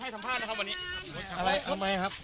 ทำไมครับ